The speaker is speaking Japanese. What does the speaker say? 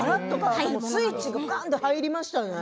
スイッチがどかんと入りましたね。